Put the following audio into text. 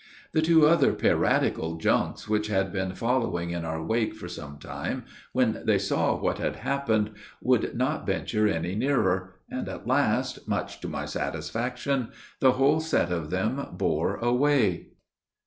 The two other piratical junks which had been following in our wake for some time, when they saw what had happened, would not venture any nearer; and at last, much to my satisfaction, the whole set of them bore away.